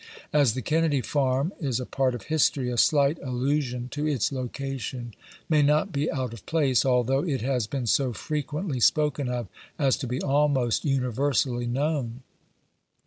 As the Kennedy Farm is a part of history, a slight allu sion to its location may not be out of place, although it has been so frequently spoken of as to be almost universally known.